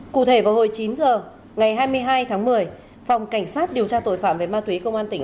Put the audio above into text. cụ thể vào hồi chín h ngày hai mươi hai tháng một mươi phòng cảnh sát điều tra tội phạm về ma túy công an tỉnh